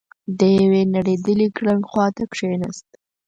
د يوې نړېدلې ګړنګ خواته کېناست.